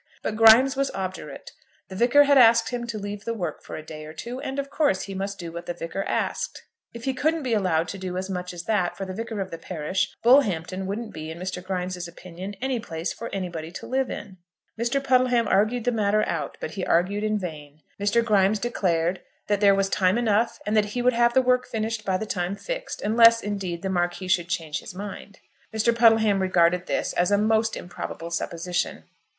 But Grimes was obdurate. The Vicar had asked him to leave the work for a day or two, and of course he must do what the Vicar asked. If he couldn't be allowed to do as much as that for the Vicar of the parish, Bullhampton wouldn't be, in Mr. Grimes's opinion, any place for anybody to live in. Mr. Puddleham argued the matter out, but he argued in vain. Mr. Grimes declared that there was time enough, and that he would have the work finished by the time fixed, unless, indeed, the Marquis should change his mind. Mr. Puddleham regarded this as a most improbable supposition.